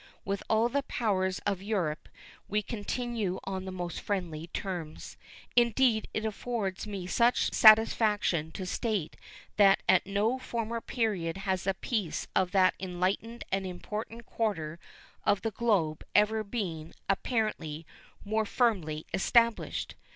With all the powers of Europe we continue on the most friendly terms. Indeed, it affords me much satisfaction to state that at no former period has the peace of that enlightened and important quarter of the globe ever been, apparently, more firmly established.